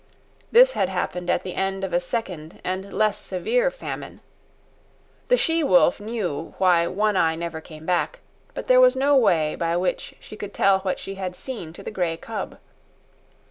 This had happened at the end of a second and less severe famine. The she wolf knew why One Eye never came back, but there was no way by which she could tell what she had seen to the grey cub.